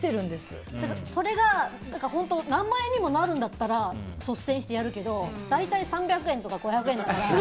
それが何万円にもなるんだったら率先してやるけど大体３００円とか５００円だから。